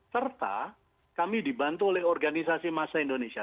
serta kami dibantu oleh organisasi masa indonesia